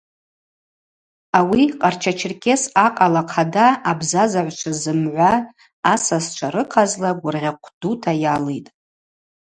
Ауи Къарча-Черкес акъала хъада абзазагӏвчва зымгӏва, асасчва рыхъазла гвыргъьахъв дута йалитӏ.